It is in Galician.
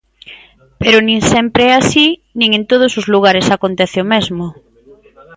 Pero nin sempre é así, nin en todos os lugares acontece o mesmo.